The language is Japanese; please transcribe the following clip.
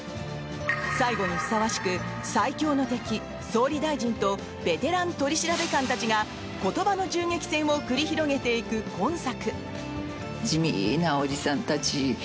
最後にふさわしく最強の敵・総理大臣とベテラン取調官たちが言葉の銃撃戦を繰り広げていく今作。